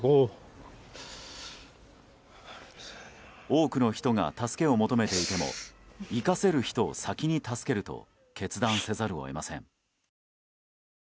多くの人が助けを求めていても生かせる人を先に助けると決断せざるを得ません。